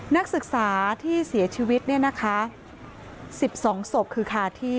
นักศึกษาที่เสียชีวิต๑๒ศพคือคาที่